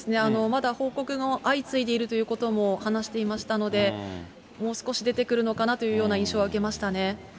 まだ報告も相次いでいるということも話していましたので、もう少し出てくるのかなというような印象は受けましたね。